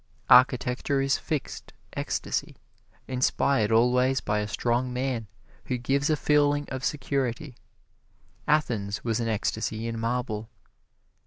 Architecture is fixed ecstasy, inspired always by a strong man who gives a feeling of security. Athens was an ecstasy in marble.